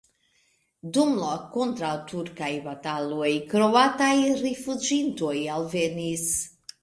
Dum la kontraŭturkaj bataloj kroataj rifuĝintoj alvenis.